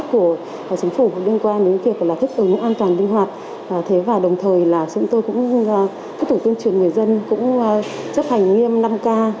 chúng tôi cũng tiếp tục tương truyền người dân chấp hành nghiêm năm k